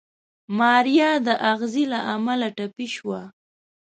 ماريا د اغزي له امله ټپي شوه.